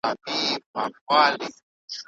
که دولت وي نو ګډوډي نه وي.